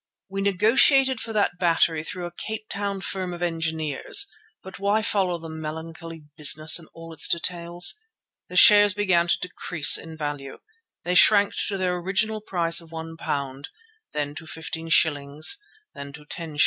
We negotiated for that battery through a Cape Town firm of engineers—but why follow the melancholy business in all its details? The shares began to decrease in value. They shrank to their original price of £1, then to 15s., then to 10s.